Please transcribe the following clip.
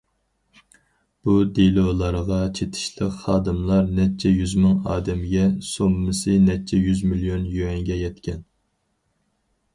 بۇ دېلولارغا چېتىشلىق خادىملار نەچچە يۈز مىڭ ئادەمگە، سوممىسى نەچچە يۈز مىليون يۈەنگە يەتكەن.